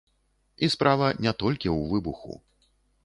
І справа не толькі ў выбуху.